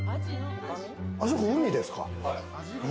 あそこ海ですか？